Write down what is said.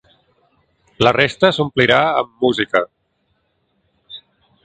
La resta s’omplirà amb música.